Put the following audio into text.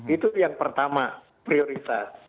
itu yang pertama prioritas